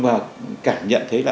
và cảm nhận thấy là